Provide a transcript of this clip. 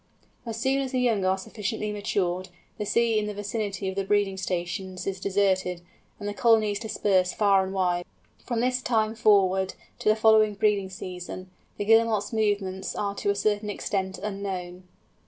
As soon as the young are sufficiently matured, the sea in the vicinity of the breeding stations is deserted, and the colonies disperse far and wide. From this time forward, to the following breeding season, the Guillemot's movements are to a certain extent unknown.